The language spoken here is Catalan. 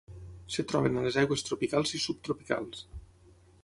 Es troben a les aigües tropicals i subtropicals.